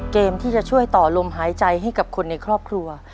เกมที่จะช่วยต่อลมหายใจให้กับคนในครอบครัว